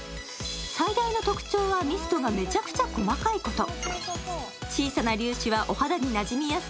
最大の特徴はミストがめちゃくちゃ細かいこと。